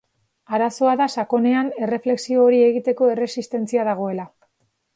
Arazoa da sakonean, erreflexio hori egiteko erresistentzia dagoela.